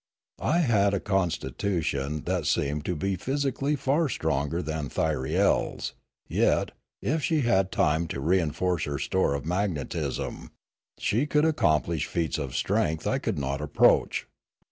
I had a con stitution that seemed to be physically far stronger than Thyriel's; yet, if she had time to reinforce her store of magnetism, she could accomplish feats of strength I could not approach.